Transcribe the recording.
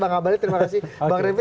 bang abang abang terima kasih bang remi